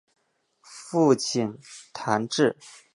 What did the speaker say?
父亲谭智。